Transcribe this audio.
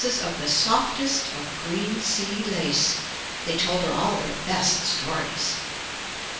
123 MY BOOK HOUSE of the softest of green sea lace. They told her all their best stories.